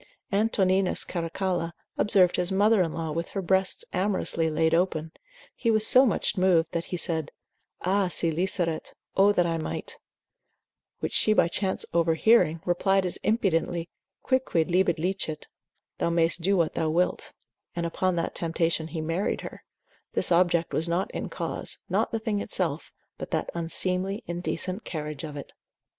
Antoninus Caracalla observed his mother in law with her breasts amorously laid open, he was so much moved, that he said, Ah si liceret, O that I might; which she by chance overhearing, replied as impudently, Quicquid libet licet, thou mayst do what thou wilt: and upon that temptation he married her: this object was not in cause, not the thing itself, but that unseemly, indecent carriage of it.